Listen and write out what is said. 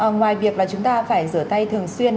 ngoài việc là chúng ta phải rửa tay thường xuyên